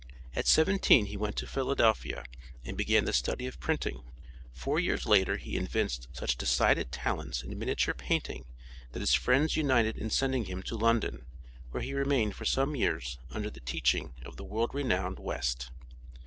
At seventeen he went to Philadelphia and begun the study of printing. Four years later he evinced such decided talents in miniature painting that his friends united in sending him to London, where he remained for some years under the teaching of the world renowned West.